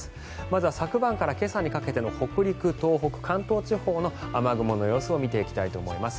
まずは昨晩から今朝にかけての北陸、東北関東地方の雨雲の様子を見ていきたいと思います。